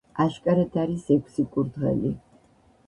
აშკარად არის ექვსი კურდღელი.